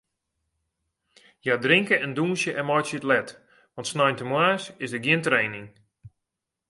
Hja drinke en dûnsje en meitsje it let, want sneintemoarns is der gjin training.